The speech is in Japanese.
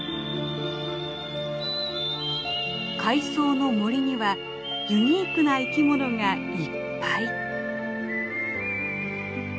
「海藻の森」にはユニークな生き物がいっぱい。